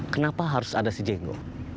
kenapa harus ada si jenggo